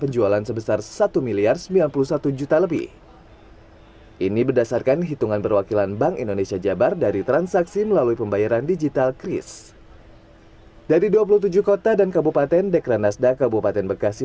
jawa barat dua ribu dua puluh tiga